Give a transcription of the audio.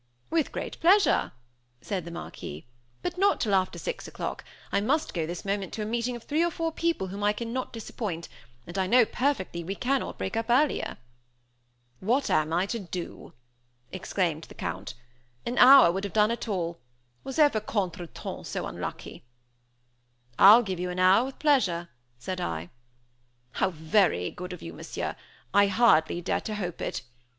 "With great pleasure," said the Marquis, "but not till after six o'clock. I must go this moment to a meeting of three or four people whom I cannot disappoint, and I know, perfectly, we cannot break up earlier." "What am I to do?" exclaimed the Count, "an hour would have done it all. Was ever contretemps so unlucky?" "I'll give you an hour, with pleasure," said I. "How very good of you, Monsieur, I hardly dare to hope it.